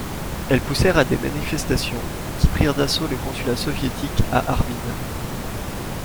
Elles poussèrent à des manifestations, qui prirent d'assaut le consulat soviétique à Harbin.